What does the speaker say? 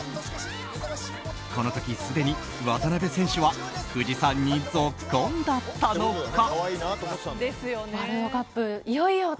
この時、すでに渡邊選手は久慈さんにぞっこんだったのか？